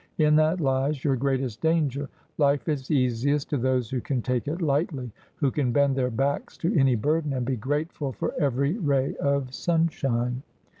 In that lies your greatest danger. Life is easiest to those who can take it lightly — who can bend their backs to any burden, and be grateful for every ray of sunshine.'